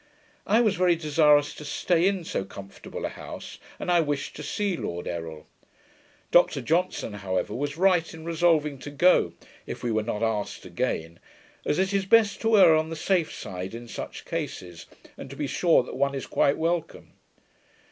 I was very desirous to stay in so comfortable a house, and I wished to see Lord Errol. Dr Johnson, however, was right in resolving to go, if we were not asked again, as it is best to err on the safe side in such cases, and to be sure that one is quite welcome.